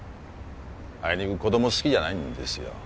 あいにく子供好きじゃないんですよ